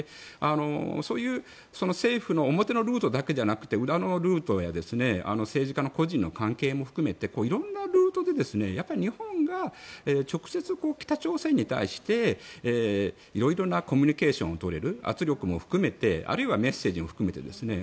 そういう政府の表のルートだけではなくて裏のルートや政治家の個人の関係も含めて色んなルートで日本が直接北朝鮮に対して色々なコミュニケーションを取れる圧力も含めて、あるいはメッセージも含めてですね。